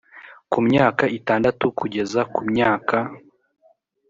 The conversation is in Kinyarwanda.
ku myaka itandatu kugeza ku myaka